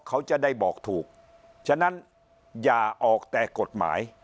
เขาจะได้บอกถูกฉะนั้นอย่าออกแต่กฎหมาย